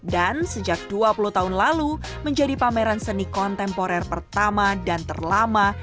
dan sejak dua puluh tahun lalu menjadi pameran seni kontemporer pertama dan terlama